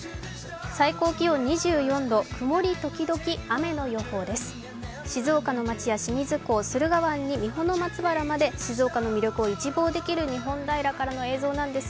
最高気温は２４度、曇り時々雨の予報です。